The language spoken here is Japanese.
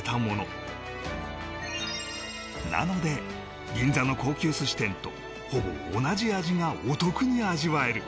なので銀座の高級寿司店とほぼ同じ味がお得に味わえる